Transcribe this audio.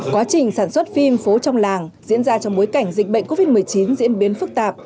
quá trình sản xuất phim phố trong làng diễn ra trong bối cảnh dịch bệnh covid một mươi chín diễn biến phức tạp